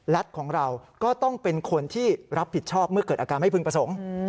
ของเราก็ต้องเป็นคนที่รับผิดชอบเมื่อเกิดอาการไม่พึงประสงค์